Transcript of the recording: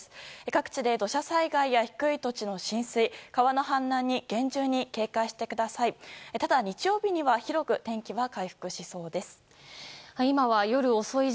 各地で土砂災害や低い土地の浸水川の氾濫に厳重に警戒してください。